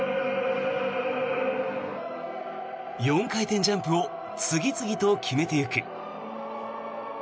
４回転ジャンプを次々と決めていく。